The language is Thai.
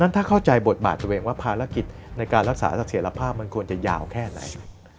ถ้าเข้าใจบทบาทตัวเองว่ารักษาเศรษฐภาพควรจะยาวแค่ไหน